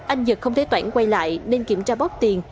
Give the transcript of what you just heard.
anh nhật không thấy toãn quay lại nên kiểm tra bóp tiền